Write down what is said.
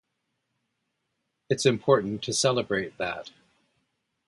It’s important to celebrate that.